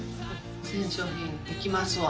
全商品いきますわ